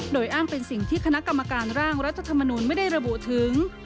โดยอ้างเป็นสิ่งที่คณะกรรมการร่างรัฐธรรมนุนไม่ได้ระบุถึง